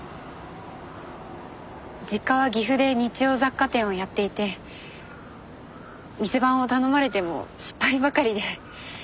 実家は岐阜で日用雑貨店をやっていて店番を頼まれても失敗ばかりで。